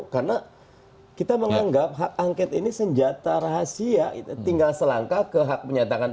karena kita menganggap hak angket ini senjata rahasia tinggal selangkah ke hak penyatakan perintah